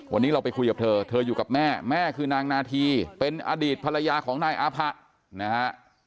วันนี้เราไปคุยกับเธอเธออยู่กับแม่แม่คือนางนาธีเป็นอดีตภรรยาของนายอาผะนะฮะ